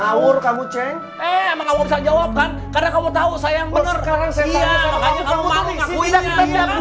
ngawur kamu ceng eh maka bisa jawabkan karena kamu tahu sayang bener sekarang saya tahu kamu